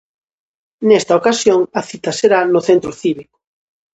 Nesta ocasión, a cita será no centro cívico.